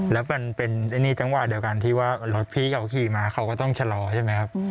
แล้วมันเป็นนี่จังหวะเดียวกันที่ว่ารถพี่เขาขี่มาเขาก็ต้องชะลอใช่ไหมครับ